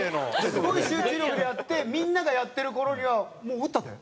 すごい集中力でやってみんながやってる頃には「もう売ったで」。